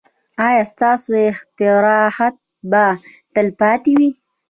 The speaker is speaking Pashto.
ایا ستاسو استراحت به تلپاتې وي؟